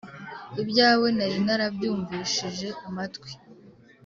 Ibyawe nari narabyumvishije amatwi